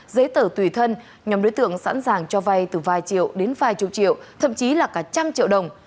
giấy tờ tùy thân nhóm đối tượng sẵn sàng cho vay từ vài triệu đến vài chục triệu thậm chí là cả trăm triệu đồng